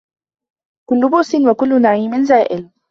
كل بؤس وكل نعيم زائل